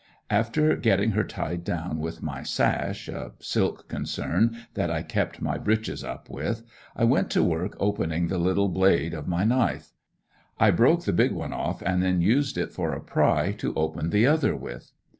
After getting her tied down with my "sash," a silk concern that I kept my breeches up with, I went to work opening the little blade of my knife. I broke the big one off and then used it for a pry to open the other with.